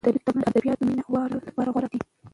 ادبي کتابونه د ادبیاتو مینه والو لپاره غوره دي.